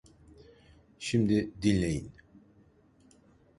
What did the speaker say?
Şimdi, dinleyin.